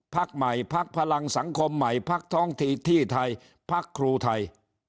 ภักดิ์ใหม่ภักดิ์พลังสังคมใหม่ภักดิ์ท้องที่ไทยภักดิ์ครูไทย